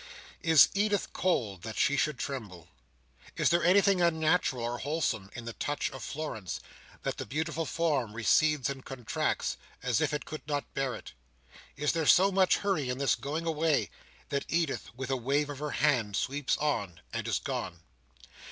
Is Edith cold, that she should tremble! Is there anything unnatural or unwholesome in the touch of Florence, that the beautiful form recedes and contracts, as if it could not bear it! Is there so much hurry in this going away, that Edith, with a wave of her hand, sweeps on, and is gone!